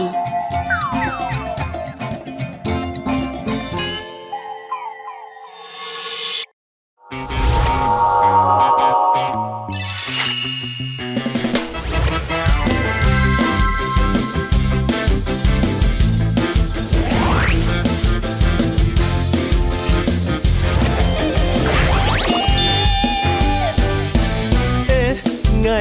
สวัสดีครับ